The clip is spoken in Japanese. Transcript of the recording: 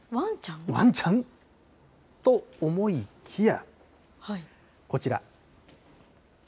わんちゃん？と思いきや、こちら。